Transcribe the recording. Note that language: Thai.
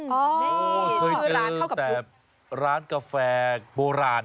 นี่ชื่อร้านเท่ากับลูกเคยเจอแต่ร้านกาแฟโบราณ